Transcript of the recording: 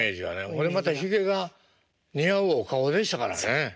これまたヒゲが似合うお顔でしたからね。